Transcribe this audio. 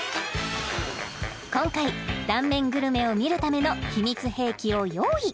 今回断面グルメを見るための秘密兵器を用意